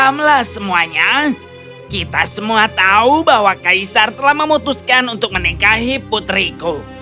alhamdulillah semuanya kita semua tahu bahwa kaisar telah memutuskan untuk menikahi putriku